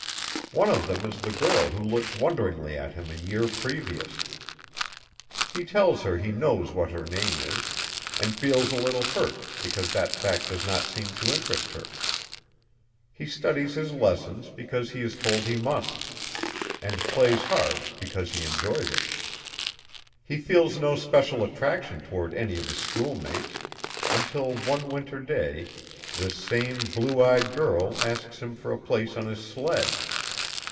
One of them is the girl who looked wonderingly at him a year previous. He tells her he knows what her name is, and feels a little hurt because that fact does not seem to interest her. He studies his lessons because he is told he must, and plays hard because he enjoys it. He feels no special attraction toward any of his schoolmates until one winter day this same little blue eyed girl asks him for a place on his sled.